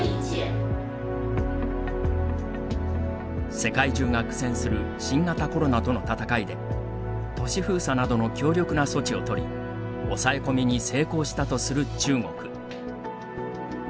世界中が苦戦する新型コロナとの闘いで都市封鎖などの強力な措置をとり押さえ込みに成功したとする中国。